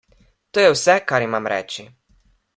To je vse, kar imam reči.